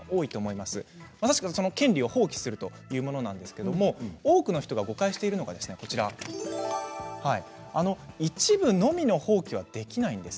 まさに権利を放棄するというものなんですけれども多くの人が誤解しているのが一部のみの放棄はできないんです。